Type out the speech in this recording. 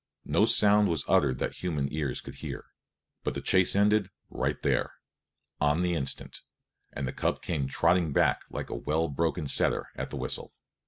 No sound was uttered that human ears could hear; but the chase ended right there, on the instant, and the cub came trotting back like a well broken setter at the whistle.